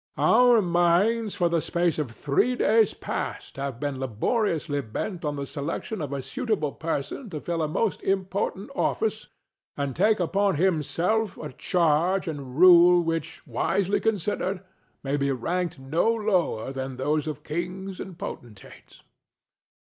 Our minds for the space of three days past have been laboriously bent on the selection of a suitable person to fill a most important office and take upon himself a charge and rule which, wisely considered, may be ranked no lower than those of kings and potentates.